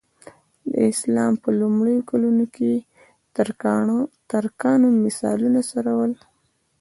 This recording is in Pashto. د اسلام په لومړیو کلونو کې ترکانو مالونه څرول.